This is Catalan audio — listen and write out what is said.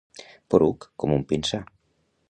Poruc com un pinsà.